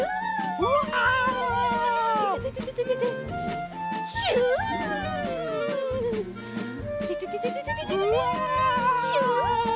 うわ！